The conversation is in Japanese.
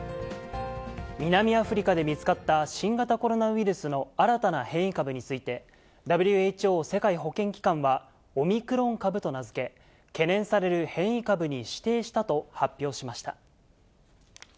南アフリカで見つかった新型コロナウイルスの新たな変異株について、ＷＨＯ・世界保健機関は、オミクロン株と名付け、懸念される変異株に指定したと発表しました。